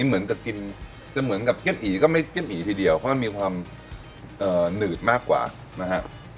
เหมือนจะกินจะเหมือนกับแก้อีก็ไม่เก็ตอีทีเดียวเพราะมันมีความหนืดมากกว่านะฮะ